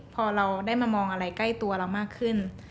พอเราได้มามองอะไรใกล้ตัวเรามากขึ้น